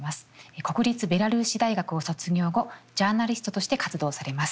国立ベラルーシ大学を卒業後ジャーナリストとして活動されます。